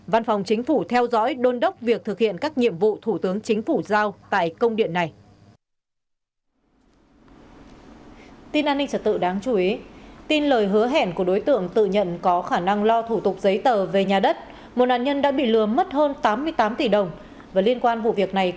văn phòng chính phủ theo dõi đôn đốc việc thực hiện các nhiệm vụ thủ tướng chính phủ giao tại công điện này